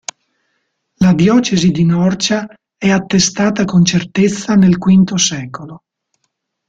La diocesi di Norcia è attestata con certezza nel V secolo.